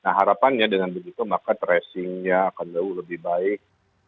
nah harapannya dengan begitu maka tracingnya akan jauh lebih baik